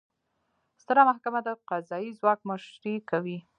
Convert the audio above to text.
ستره محکمه د قضایي ځواک مشري کوي